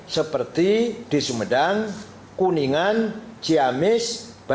seperti di sumedang kuningan ciamis banjir jawa barat